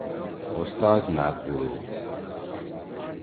استاز مھأ کُوڑُو۔